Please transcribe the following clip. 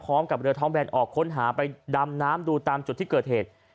พร้อมกับเรือท้องแบนออกค้นหาไปดำน้ำดูตามจุดที่เกิดเหตุ